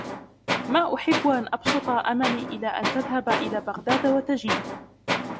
مَا أُحِبُّ أَنْ أَبْسُطَ أَمَلِي إلَى أَنْ تَذْهَبَ إلَى بَغْدَادَ وَتَجِيءَ